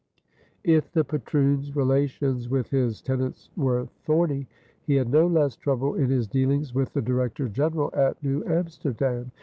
If the patroon's relations with his tenants were thorny, he had no less trouble in his dealings with the Director General at New Amsterdam.